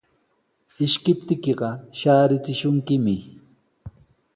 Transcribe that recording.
Ishkiptiykiqa shaarichishunkimi.